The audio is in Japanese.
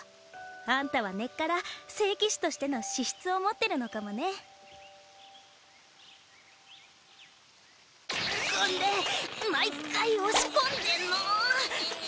あんたは根っから聖騎士としての資質を持ってるのかもねこれ毎回押し込んでんの？